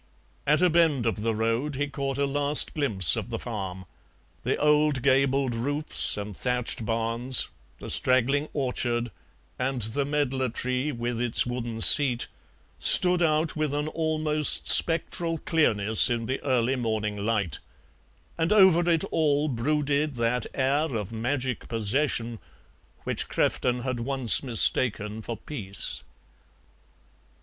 At a bend of the road he caught a last glimpse of the farm; the old gabled roofs and thatched barns, the straggling orchard, and the medlar tree, with its wooden seat, stood out with an almost spectral clearness in the early morning light, and over it all brooded that air of magic possession which Crefton had once mistaken for peace.